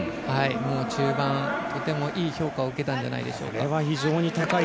中盤、とてもいい評価を受けたんじゃないでしょうか。